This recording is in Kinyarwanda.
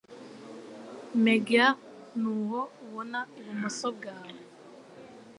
Mégère nuwo ubona ibumoso bwawe